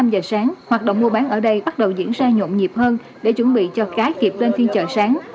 năm giờ sáng hoạt động mua bán ở đây bắt đầu diễn ra nhộn nhịp hơn để chuẩn bị cho cá kịp lên phiên chợ sáng